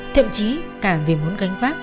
thậm chí cả vì muốn gánh vác